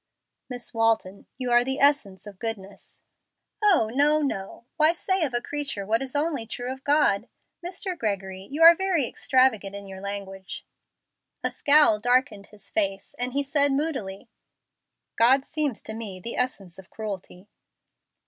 "Miss Walton, you are the essence of goodness." "Oh, no, no; why say of a creature what is only true of God? Mr. Gregory, you are very extravagant in your language." A scowl darkened his face, and he said, moodily, "God seems to me the essence of cruelty."